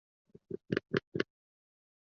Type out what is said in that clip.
光绪十一年乙酉科江西乡试第一名举人。